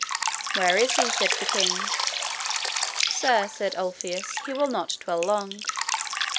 Where is he? said the king. Sir, said Ulfius, he will not dwell long.